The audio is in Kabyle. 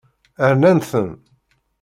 Rnan-ten.